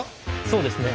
そうですね。